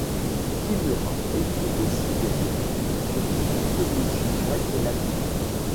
Kimura écrit aussi des études sur les mythologies grecque et latine.